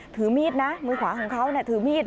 ถือมีดนะมือขวาของเขาถือมีด